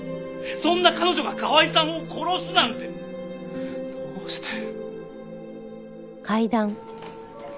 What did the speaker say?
そんな彼女が河合さんを殺すなんてどうして。